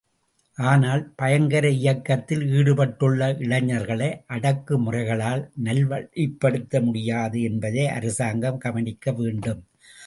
ஆனால் பயங்கர இயக்கத்தில் ஈடுபட்டுள்ள இளைஞர்களை அடக்குமுறைகளால் நல்வழிப்படுத்த முடியாது என்பதை அரசாங்கம் கவனிக்க வேண்டும்.